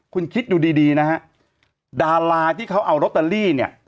คุณคิดดูดีดีนะฮะดาราที่เขาเอาลอตเตอรี่เนี่ย